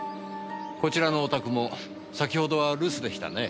こちらのお宅も先ほどは留守でしたね。